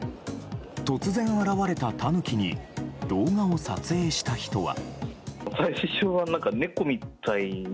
突然現れたタヌキに動画を撮影した人は。